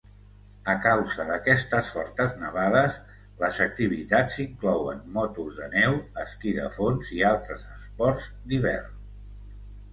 A causa d'aquestes fortes nevades, les activitats inclouen motos de neu, esquí de fons i altres esports d'hivern.